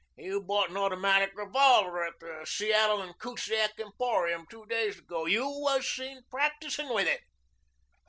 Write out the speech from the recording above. You bought an automatic revolver at the Seattle & Kusiak Emporium two days ago. You was seen practising with it."